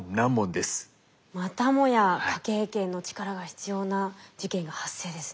またもや科警研の力が必要な事件が発生ですね。